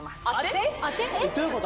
どういうこと？